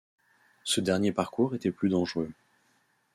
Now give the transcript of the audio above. Ce dernier parcours était plus dangereux.